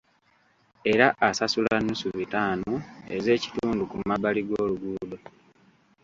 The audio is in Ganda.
Era asasula nnusu bitaano ez'ekitundu ku mabbali g'oluguudo.